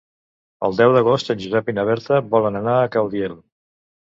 El deu d'agost en Josep i na Berta volen anar a Caudiel.